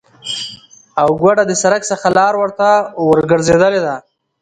او گوډه د سرک څخه لار ورته ورگرځیدلې ده،